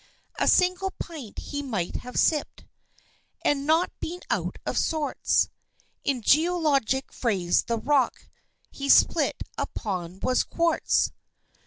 A single pint he might have sipp'd And not been out of sorts, In geologic phrase the rock He split upon was quarts!